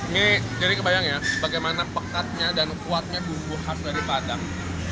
jadi kebayang ya bagaimana pekatnya dan kuatnya bumbu khas dari padang